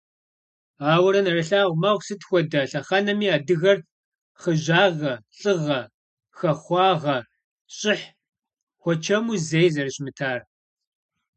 Ауэрэ нэрылъагъу мэхъу, сыт хуэдэ лъэхъэнэми адыгэр хъыжьагъэ, лӏыгъэ, хахуагъэ, щӏыхь, хуэчэму зэи зэрыщымытар.